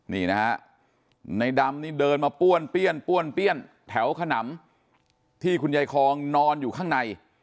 นี่นะฮะในดำนี่เดินมาป้วนเปี้ยนป้วนเปี้ยนแถวขนำที่คุณยายคองนอนอยู่ข้างใน